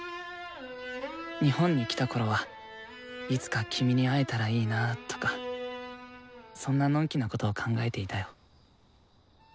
日本に来たころは「いつか君に会えたらいいなぁ」とかそんなのんきなことを考えていたよ。